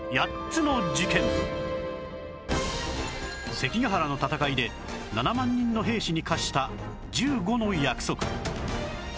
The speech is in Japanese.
関ヶ原の戦いで７万人の兵士に課した１５の約束